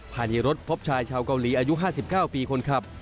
ภายในรถพบชายชาวเกาหลีอายุ๕๙ปีคนขับ